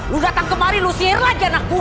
lu datang kemari lu sihir lagi anak gua